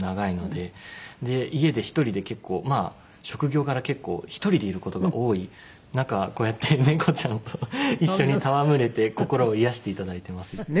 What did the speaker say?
で家で１人で結構まあ職業柄結構１人でいる事が多い中こうやって猫ちゃんと一緒に戯れて心を癒やしていただいてますいつも。